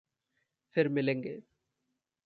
फिर मिलेंगे।